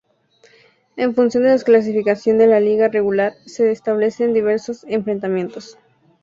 En función de la clasificación de la liga regular se establecen diversos enfrentamientos.